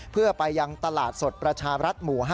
เพื่อไปยังตลาดสดประชารัฐหมู่๕